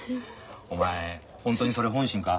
お前ホントにそれ本心か？